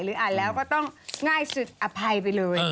อ่านแล้วก็ต้องง่ายสุดอภัยไปเลย